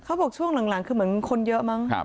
ช่วงหลังคือเหมือนคนเยอะมั้ง